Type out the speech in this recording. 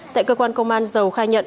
tại cơ quan công an dầu khai nhận